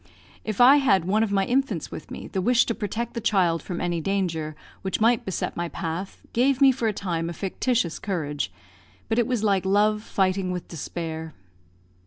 If I had one of my infants with me, the wish to protect the child from any danger which might beset my path gave me for a time a fictitious courage; but it was like love fighting with despair.